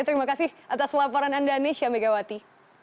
terima kasih atas laporan anda nesya megawati